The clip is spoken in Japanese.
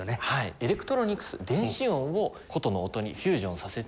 エレクトロニクス電子音を箏の音にフュージョンさせて演奏致します。